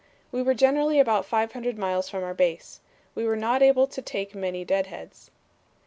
We were generally about 500 miles from our base. We were not able to take many deadheads."